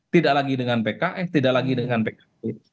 tidak lagi dengan pks tidak lagi dengan pkb